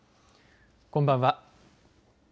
こんばんは。